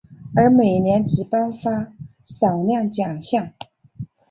而每年只颁发少量奖项。